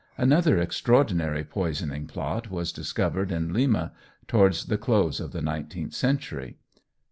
Another extraordinary poisoning plot was discovered in Lima towards the close of the eighteenth century.